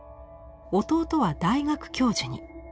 弟は大学教授に。